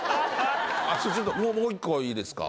ちょっともう１個いいですか？